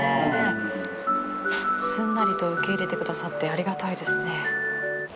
すんなりと受け入れてくださってありがたいですね。